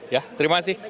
ya terima kasih